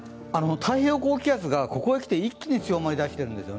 太平洋高気圧がここへ来て一気に強まり始めているんです。